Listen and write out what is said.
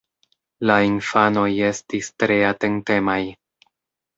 La infanoj estis tre atentemaj.